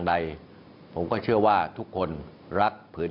วันนี้นั้นผมจะมาพูดคุยกับทุกท่าน